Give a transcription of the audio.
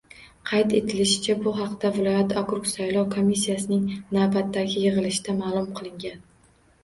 Qayd etilishicha, bu haqda viloyat okrug saylov komissiyasining navbatdagi yig‘ilishida ma’lum qilingan